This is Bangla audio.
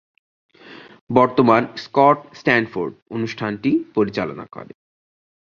বর্তমান স্কট স্ট্যানফোর্ড অনুষ্ঠানটি পরিচালনা করে।